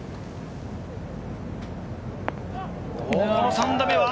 ３打目は。